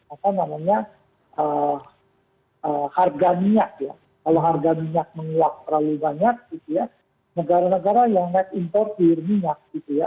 apa namanya harga minyak ya kalau harga minyak menguap terlalu banyak negara negara yang naik impor dihir minyak